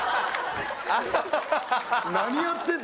何やってんの？